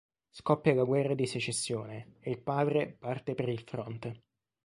Scoppia la Guerra di Secessione e il padre parte per il fronte.